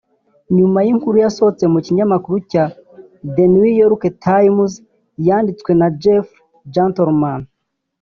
nyuma y’inkuru yasobohotse mu kinyamakuru cya The New York Times yanditswe na Jeffrey Gettleman